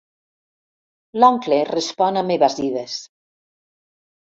L'oncle respon amb evasives.